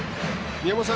宮本さん